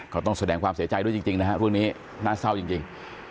ต้องแสดงความเสียใจด้วยจริงนะฮะเรื่องนี้น่าเศร้าจริง